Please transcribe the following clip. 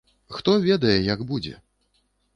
Хто ведае, як будзе?